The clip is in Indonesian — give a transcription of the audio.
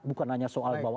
bukan hanya soal